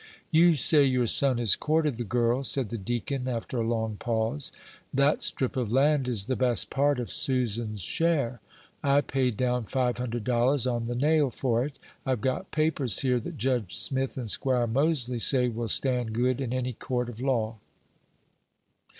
"You say your son has courted the girl," said the deacon, after a long pause; "that strip of land is the best part of Susan's share; I paid down five hundred dollars on the nail for it; I've got papers here that Judge Smith and 'Squire Moseley say will stand good in any court of law."